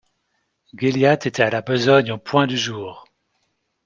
Gilliatt était à la besogne au point du jour.